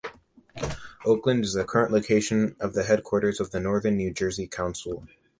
Oakland is the current location of the headquarters of the Northern New Jersey Council.